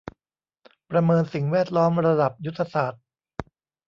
ประเมินสิ่งแวดล้อมระดับยุทธศาสตร์